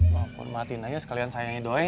mampu matiin aja sekalian sayangnya doi